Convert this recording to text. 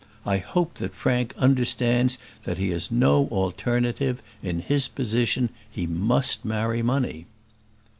I hope that Frank understands that he has no alternative. In his position he must marry money."